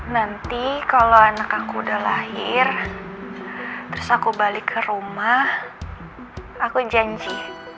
nanti kalau anak aku udah lahir terus aku balik ke rumah aku janji